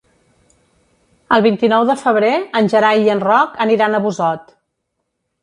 El vint-i-nou de febrer en Gerai i en Roc aniran a Busot.